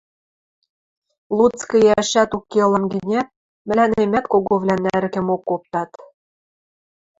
Луцкы иӓшӓт уке ылам гӹнят, мӹлӓнемӓт коговлӓн нӓрӹкӹмок оптат.